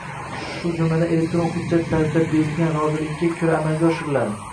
shu jumladan elektron hujjat tarzida berilgan roziligiga ko‘ra amalga oshiriladi.